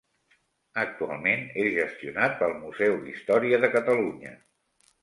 Actualment és gestionat pel Museu d'Història de Catalunya.